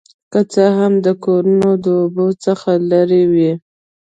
که څه هم دا کورونه د اوبو څخه لرې وي